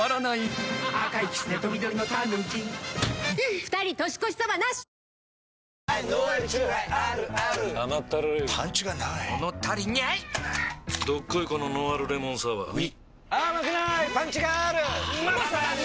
どっこいこのノンアルレモンサワーうぃまさに！